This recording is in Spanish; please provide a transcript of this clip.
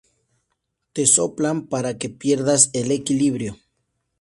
te soplan para que pierdas el equilibrio